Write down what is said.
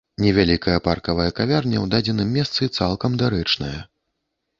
Невялікая паркавая кавярня ў дадзеным месцы цалкам дарэчная.